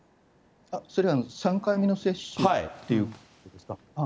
それは３回目の接種ということですか？